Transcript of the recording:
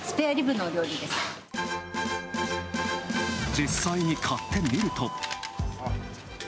実際に買ってみると。